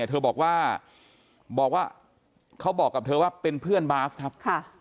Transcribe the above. เธอบอกว่าบอกว่าเขาบอกกับเธอว่าเป็นเพื่อนบาสครับ